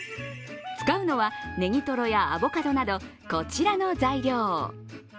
使うのはネギトロやアボカドなどこちらの材料。